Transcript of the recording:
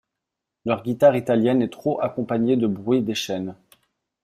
Leur guitare italienne est trop accompagnée du bruit des chaînes !